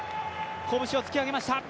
拳を突き上げました。